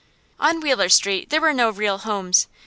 On Wheeler Street there were no real homes.